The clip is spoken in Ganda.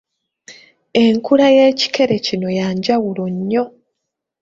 Enkula y’ekikere kino ya njawulo nnyo.